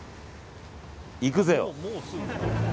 行くぜよ。